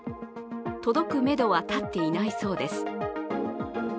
届くめどは立っていないそうです。